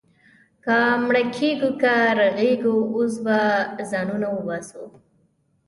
که مړه کېږو، که رغېږو، اوس به ځانونه وباسو.